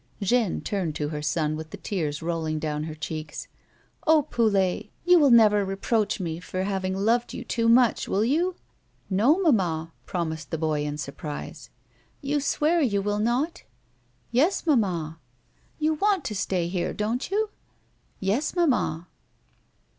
" Jeanne turned to her son with the tears rolling down her cheeks. "Oh, Poulet, you will never reproach me for having loved you too much, will you ?"" No, mamma," promised the boy in surprise. " You swear you will not '?"" Yes, mamma." " You want to stay here, don't you'? "" Yes, mamma."